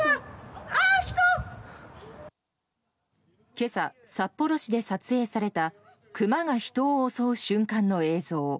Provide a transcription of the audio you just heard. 今朝、札幌市で撮影されたクマが人を襲う瞬間の映像。